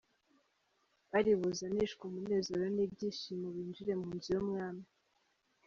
Bari buzanishwe umunezero n’ibyishimo, Binjire mu nzu y’umwami.